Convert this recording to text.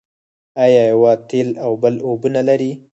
آیا یوه تېل او بل اوبه نلري؟